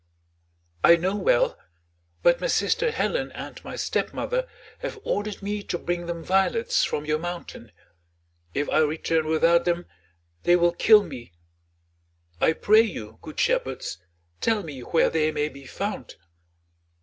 "I know well, but my sister Helen and my stepmother have ordered me to bring them violets from your mountain: if I return without them they will kill me. I pray you, good shepherds, tell me where they may be found?"